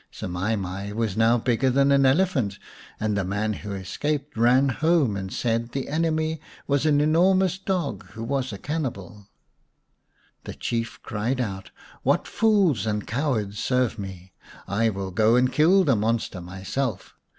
Semai mai was now bigger than an elephant, and the man who escaped ran home and said the enemy ( was an enormous dog, who was a cannibal.; The Chief cried out, " What fools and cowards serve me ! I will go and kill the monster my self."